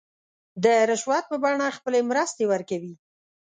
د رشوت په بڼه خپلې مرستې ورکوي.